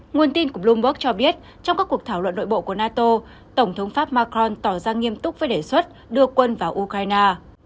nguồn tin của bloomberg cho biết trong các cuộc thảo luận nội bộ của nato tổng thống pháp macron tỏ ra nghiêm túc với đề xuất đưa quân vào ukraine